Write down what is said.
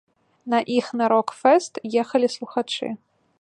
На іх на рок-фэст ехалі слухачы.